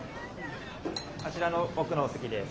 あちらの奥のお席です。